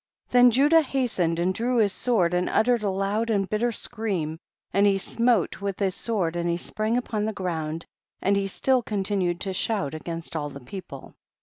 Then Judah hastened and drew his sword, and uttered a loud and bitter scream, and he smote with his sword, and he sprang upon the ground, and he still continued to shout against all the people.